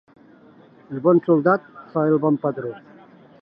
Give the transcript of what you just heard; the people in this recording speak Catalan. El bon soldat fa el bon patró.